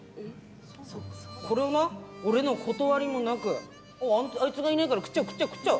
それをな俺の断りもなくあいつがいねぇから食っちゃおう食っちゃおう。